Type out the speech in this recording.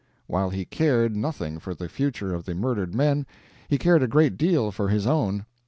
While he cared nothing for the future of the murdered men, he cared a great deal for his own.